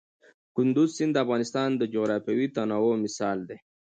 کندز سیند د افغانستان د جغرافیوي تنوع مثال دی.